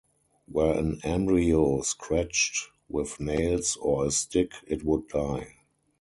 Were an embryo scratched with nails or a stick it would die.